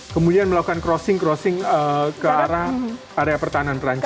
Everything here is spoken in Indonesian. kemudian melakukan crossing crossing ke arah area pertahanan perancis